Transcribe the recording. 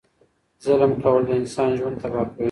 ظلم کول د انسان ژوند تبا کوي.